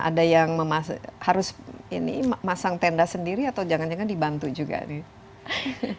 ada yang harus ini masang tenda sendiri atau jangan jangan dibantu juga nih